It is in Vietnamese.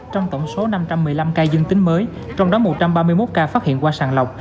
trong tổng số năm trăm một mươi năm ca dương tính mới trong đó một trăm ba mươi một ca phát hiện qua sàng lọc